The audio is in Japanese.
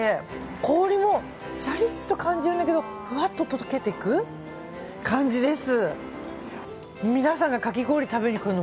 氷もシャリッと感じるんだけどふわっととけていく感じです。